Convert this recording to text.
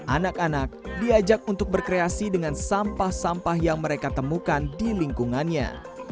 anak anak diajak untuk berkreasi dengan sampah sampah yang mereka temukan di lingkungannya